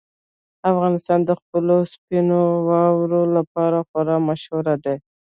افغانستان د خپلو سپینو واورو لپاره خورا مشهور دی.